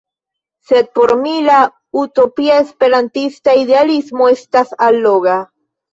Sed por mi la utopia esperantista idealismo estas alloga.